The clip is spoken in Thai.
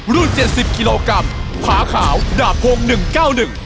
เจ็ดสิบกิโลกรัมผาขาวดาบพงศ์หนึ่งเก้าหนึ่ง